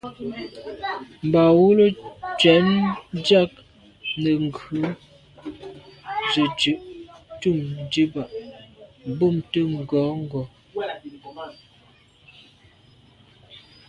Mbā wʉ́lǒ cwɛ̌d ndíɑ̀g nə̀ ghʉ zə̀ dʉ̀' ntʉ̂m diba mbumtə ngɔ̌ngɔ̀.